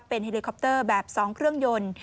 เป็นเฮลิคอปเตอร์แบบ๒เครื่องยนต์